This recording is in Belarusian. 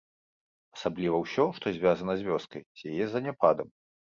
Асабліва ўсё, што звязана з вёскай, з яе заняпадам.